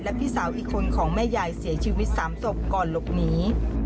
พี่สาวอีกคนของแม่ยายเสียชีวิต๓ศพก่อนหลบหนี